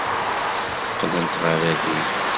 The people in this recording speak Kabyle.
Qqlent ɣer rrif.